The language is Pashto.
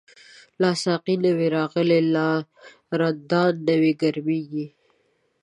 لا ساقی نوی راغلی، لا رندان نوی گرمیږی